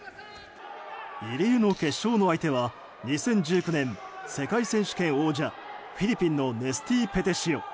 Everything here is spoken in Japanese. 入江の決勝の相手は２０１９年世界選手権王者、フィリピンのネスティー・ペテシオ。